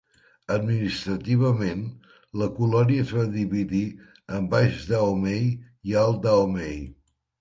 Administrativament la colònia es va dividir en Baix Dahomey i Alt Dahomey.